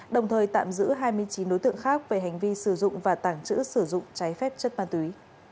đồng thời tạm giữ hai mươi chín đối tượng khác về hành vi sử dụng và tàng trữ sử dụng trái phép chất ma túy